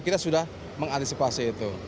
kita sudah mengantisipasi itu